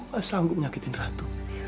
gue nggak sanggup nyakitin ratu